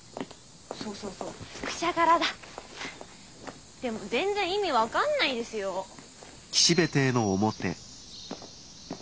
そうそうそう「くしゃがら」だ。でも全然意味分かんないですよー。